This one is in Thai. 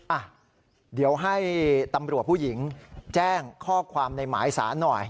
อ่ะเดี๋ยวให้ตำรวจผู้หญิงแจ้งข้อความในหมายสารหน่อย